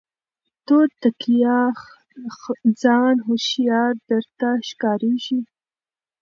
توتکیه ځان هوښیار درته ښکاریږي